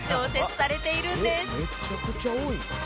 「めちゃくちゃ多い」